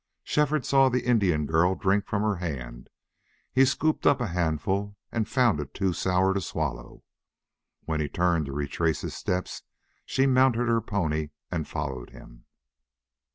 Shefford saw the Indian girl drink from her hand. He scooped up a handful and found it too sour to swallow. When he turned to retrace his steps she mounted her pony and followed him.